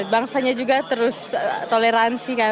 bangsanya juga terus toleransi kan